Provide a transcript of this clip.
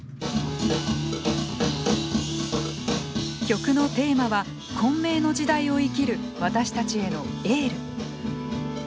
曲のテーマは混迷の時代を生きる私たちへのエール。